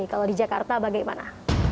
kalau di jakarta bagaimana